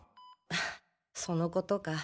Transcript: ああそのことか。